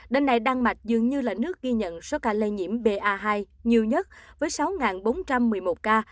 đêm nay đan mạch dường như là nước ghi nhận số ca lây nhiễm ba hai nhiều nhất với sáu bốn trăm một mươi một ca